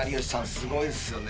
すごいっすよね。